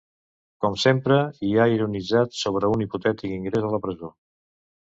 Com sempre, i ha ironitzat sobre un hipotètic ingrés a la presó.